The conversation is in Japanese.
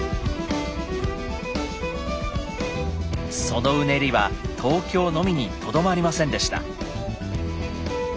そのうねりは東京のみにとどまりませんでした。